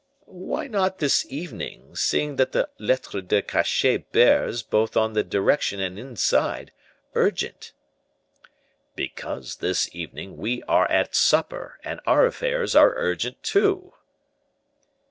"Why not this evening, seeing that the lettre de cachet bears, both on the direction and inside, 'urgent'?" "Because this evening we are at supper, and our affairs are urgent, too!"